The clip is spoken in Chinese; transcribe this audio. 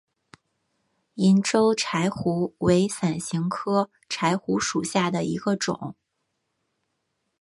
银州柴胡为伞形科柴胡属下的一个种。